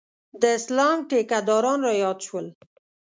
د اسلام ټیکداران رایاد شول.